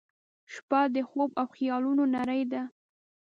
• شپه د خوب او خیالونو نړۍ ده.